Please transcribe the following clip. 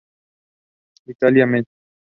Italia, Mem.